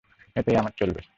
এতেই আমার চলবে।